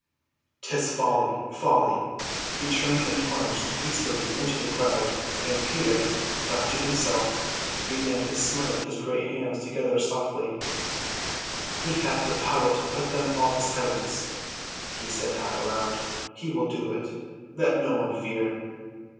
'Tis folly—folly!" He turned and plunged hastily into the crowd, and Peter, left to himself, began to smite his great hands softly together. "He hath the power to put them all to silence," he said half aloud. "He will do it—let no one fear!"